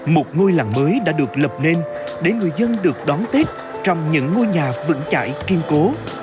một ngôi làng mới đã được lập nên để người dân được đón tết trong những ngôi nhà vững chải kiên cố